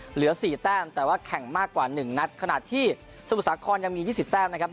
เหลือสี่แต้มแต่ว่าแข่งมากกว่าหนึ่งนัดขณะที่สมุทรสาครยังมี๒๐แต้มนะครับ